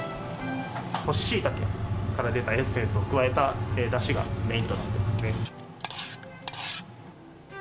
干ししいたけから出たエッセンスを加えただしがメインとなってますね。